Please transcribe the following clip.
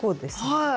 はい。